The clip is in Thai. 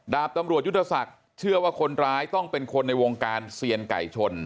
ดาบตำรวจยุทธศักดิ์เชื่อว่าคนร้ายต้องเป็นคนในวงการเซียนไก่ชน